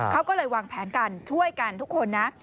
เขาก็เลยวางแผนกันช่วยกันทุกคนนะ